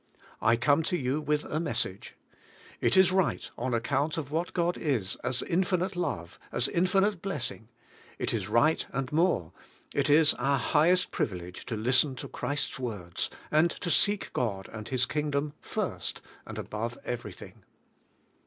I come to you with a message. It is right, on account of what God is as Infinite Love, as Infinite Blessing; it is right and more, it is our highest privilege to listen to Christ's words, and to seek God and His Kingdom first and above everything.